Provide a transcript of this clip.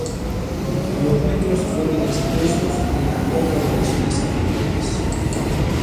Los Metros fueron exitosos en las cuatros apariciones anteriores.